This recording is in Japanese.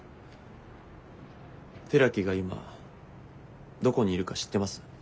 寺木が今どこにいるか知ってます？